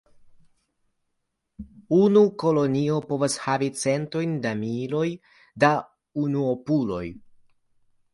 Unu kolonio povas havi centojn da miloj da unuopuloj.